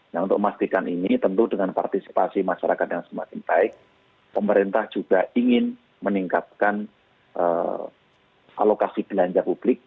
nah untuk memastikan ini tentu dengan partisipasi masyarakat yang semakin baik pemerintah juga ingin meningkatkan alokasi belanja publik